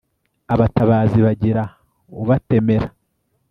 abatabazi bagira ubatemera